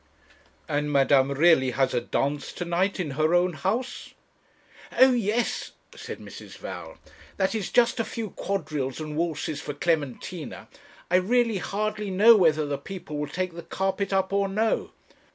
'And madame really has a dance to night in her own house?' 'O yes,' said Mrs. Val; 'that is, just a few quadrilles and waltzes for Clementina. I really hardly know whether the people will take the carpet up or no.'